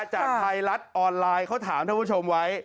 จากไทรัศน์ออนไลน์เขาถามทุกผู้ชมไว้